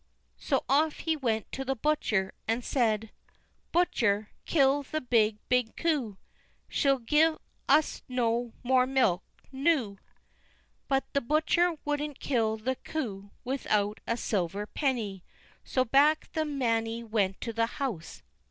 So off he went to the butcher, and said: "Butcher, kill the big, big coo, She'll gi'e us no more milk noo." But the butcher wouldn't kill the coo without a silver penny, so back the Mannie went to the house.